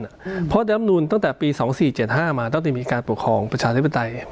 เพราะดำนูนตั้งแต่ปี๒๔๗๕มาตั้งแต่มีการปกครองประชาธิปไตย